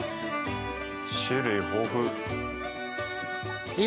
種類豊富。